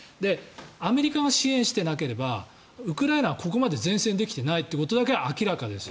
アメリカが支援していなければウクライナはここまで善戦できてないということだけは明らかです。